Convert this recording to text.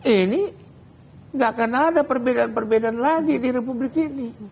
ini nggak akan ada perbedaan perbedaan lagi di republik ini